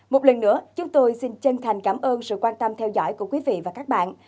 một lần nữa chúng tôi xin chân thành cảm ơn sự quan tâm theo dõi của quý vị và các bạn